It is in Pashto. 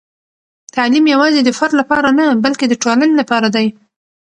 تعلیم یوازې د فرد لپاره نه، بلکې د ټولنې لپاره دی.